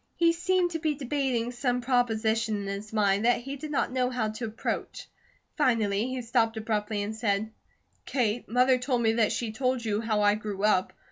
He seemed to be debating some proposition in his mind, that he did not know how to approach. Finally he stopped abruptly and said: "Kate, Mother told me that she told you how I grew up.